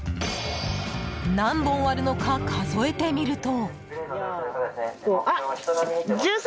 何本あるのか数えてみると。